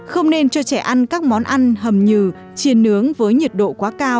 không nên cho trẻ ăn các món ăn hầm nhừ chiên nướng với nhiệt độ quá cao